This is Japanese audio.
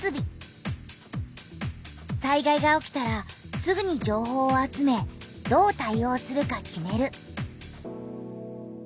災害が起きたらすぐに情報を集めどう対おうするか決める。